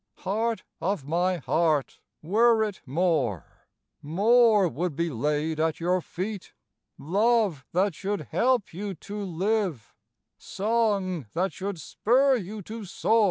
Heart of my heart, were it more, More would be laid at your feet: Love that should help you to live, Song that should spur you to soar.